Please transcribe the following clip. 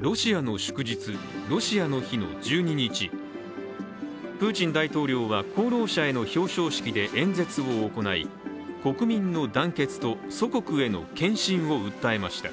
ロシアの祝日、ロシアの日の１２日プーチン大統領は功労者への表彰式で演説を行い、国民の団結と祖国への献身を訴えました。